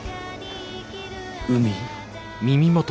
海。